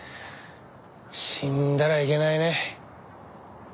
死んだらいけないね。